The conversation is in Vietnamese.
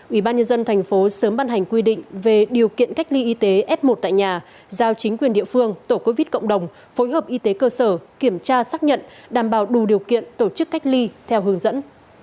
ủy ban nhân dân thành phố sớm ban hành quy định về điều kiện cách ly y tế f một tại nhà giao chính quyền địa phương tổ covid cộng đồng phối hợp y tế cơ sở kiểm tra xác nhận đảm bảo đủ điều kiện tổ chức cách ly theo hướng dẫn